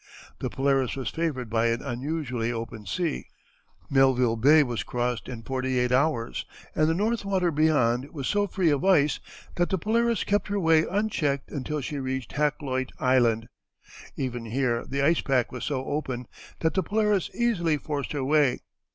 ] The Polaris was favored by an unusually open sea; Melville Bay was crossed in forty eight hours and the "North Water" beyond was so free of ice that the Polaris kept her way unchecked until she reached Hakluyt Island; even here the ice pack was so open that the Polaris easily forced her way.